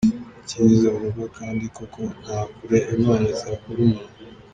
Ikiza urubwa” kandi koko “nta kure Imana itakura umuntu”.